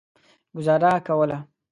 ګوزاره کوله.